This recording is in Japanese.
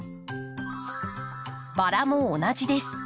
バラも同じです。